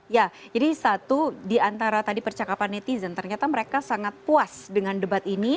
ya jadi satu di antara tadi percakapan netizen ternyata mereka sangat puas dengan debat ini